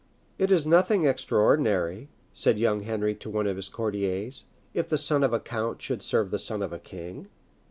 "It is nothing extraordinary," said young Henry to one of his courtiers, "if the son of a count should serve the son of a king."